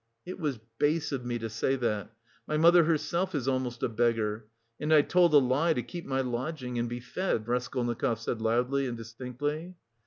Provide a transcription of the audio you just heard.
"It was base of me to say that.... My mother herself is almost a beggar... and I told a lie to keep my lodging... and be fed," Raskolnikov said loudly and distinctly.